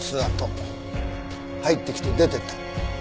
入ってきて出てってる。